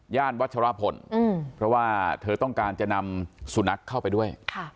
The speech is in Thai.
วัชรพลเพราะว่าเธอต้องการจะนำสุนัขเข้าไปด้วย